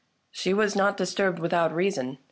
She was not disturbed without reason.